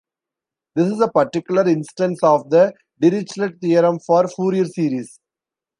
This is a particular instance of the Dirichlet theorem for Fourier series.